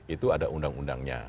itu ada undang undangnya